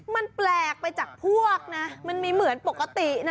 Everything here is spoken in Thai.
มันแปลกไปจากพวกนะมันมีเหมือนปกตินะ